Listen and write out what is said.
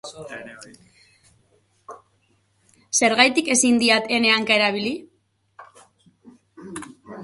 Zergatik ezin diat ene hanka erabili?